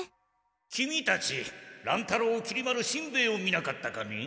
キミたち乱太郎きり丸しんべヱを見なかったかね？